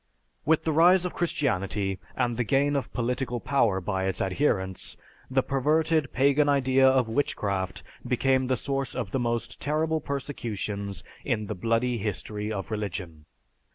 With the rise of Christianity and the gain of political power by its adherents, the perverted pagan idea of witchcraft became the source of the most terrible persecutions in the bloody history of religion.